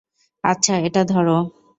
আচ্ছা, এটা ধরো।